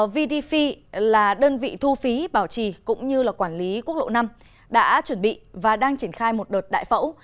vdf là đơn vị thu phí bảo trì cũng như quản lý quốc lộ năm đã chuẩn bị và đang triển khai một đợt đại phẫu